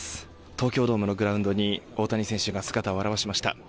東京ドームのグラウンドに大谷選手が姿を現しました。